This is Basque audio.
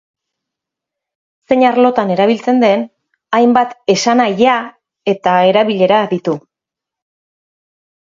Zein arlotan erabiltzen den, hainbat esanahi eta erabilera ditu.